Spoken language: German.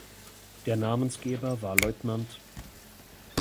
Der Namensgeber war "Lt.